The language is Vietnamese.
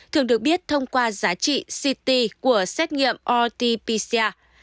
thường được biết thông qua giá trị ct của xét nghiệm rt pcr